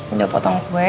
udah potong kue